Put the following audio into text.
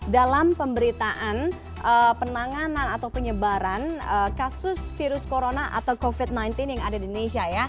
dalam pemberitaan penanganan atau penyebaran kasus virus corona atau covid sembilan belas yang ada di indonesia ya